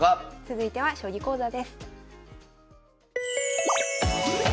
続いては将棋講座です。